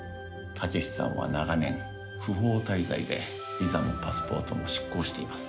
武志さんは長年不法滞在でビザもパスポートも失効しています。